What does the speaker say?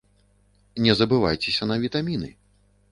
Не забывайцеся на вітаміны.